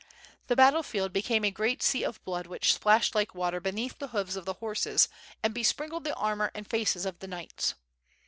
The battle field became a great sea of blood which splashed like water beneath the hoofs of the horses and be sprinkled the armor and faces of the knights.